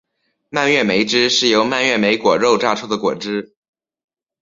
蔓越莓汁是由蔓越莓果肉榨出的果汁。